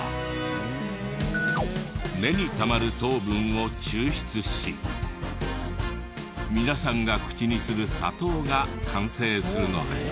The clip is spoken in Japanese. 根にたまる糖分を抽出し皆さんが口にする砂糖が完成するのです。